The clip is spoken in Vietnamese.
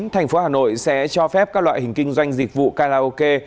tp hà nội sẽ cho phép các loại hình kinh doanh dịch vụ karaoke